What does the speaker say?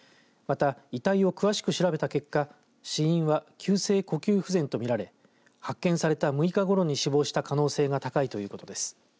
また、遺体を詳しく調べた結果死因は急性呼吸不全と見られ発見された６日ごろに死亡した可能性が高いということです。